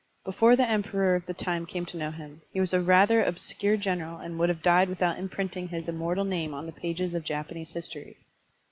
Before the Emperor of the time came to know him, he was a rather obscure general and wotdd have died without imprinting his immortal name on the pages of Japanese history.